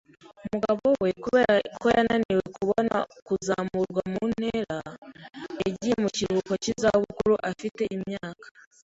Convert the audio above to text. Umugabo we, kubera ko yananiwe kubona kuzamurwa mu ntera, yagiye mu kiruhuko cy'izabukuru afite imyaka .